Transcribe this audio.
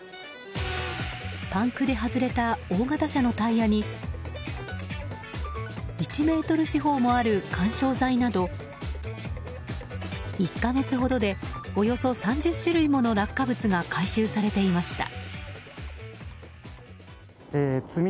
パンクで外れた大型車のタイヤに１ｍ四方もある緩衝材など１か月ほどでおよそ３０種類もの落下物が回収されていました。